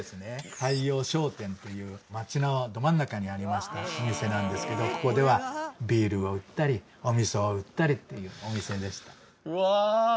太洋商店という街のど真ん中にありましたお店なんですけどここではビールを売ったりお味噌を売ったりというお店でしたうわ